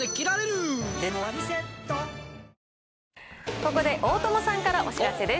ここで大友さんからお知らせです。